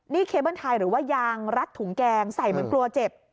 นี่เคเบิ้ลไทยหรือว่ายางรัดถุงแกงใส่เหมือนกลัวเจ็บ